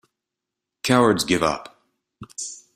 Cowards give up.